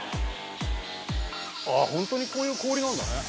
ああホントにこういう氷なんだね。